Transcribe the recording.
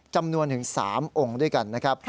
จำนวนถึง๓องค์ด้วยกันนะครับ